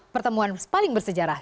pertemuan paling bersejarah